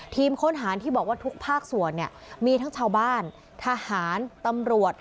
ทีมค้นหาที่บอกว่าทุกภาคส่วนเนี่ยมีทั้งชาวบ้านทหารตำรวจ